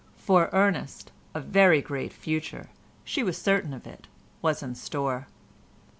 For Ernest, a very great future—she was certain of it—was in store.